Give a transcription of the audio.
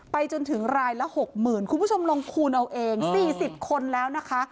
จนถึงรายละ๖๐๐๐คุณผู้ชมลองคูณเอาเอง๔๐คนแล้วนะคะ